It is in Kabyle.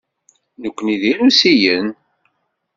Nekkni d Irusiyen.